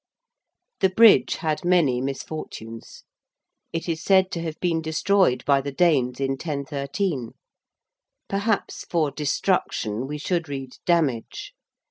The Bridge had many misfortunes: it is said to have been destroyed by the Danes in 1013. Perhaps for 'destruction' we should read 'damage.'